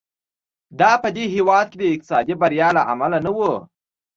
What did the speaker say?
دا په دې هېواد کې د اقتصادي بریا له امله نه و.